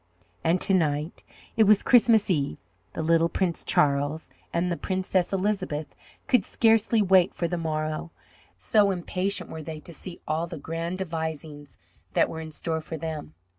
And to night it was Christmas Eve. The Little Prince Charles and the Princess Elizabeth could scarcely wait for the morrow, so impatient were they to see all the grand devisings that were in store for them.